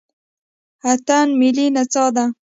اتن ملي نڅا ده